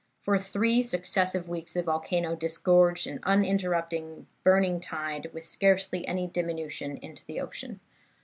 For three successive weeks the volcano disgorged an uninterrupted burning tide, with scarcely any diminution, into the ocean.